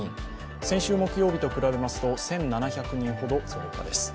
先週木曜日と比べますと１７００人ほど増加です。